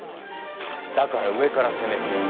だから上から攻める。